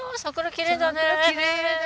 きれいだ。